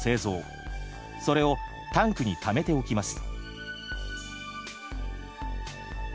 それをタンクにためておきます。